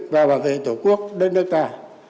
và bảo vệ tổ quốc đất nước ta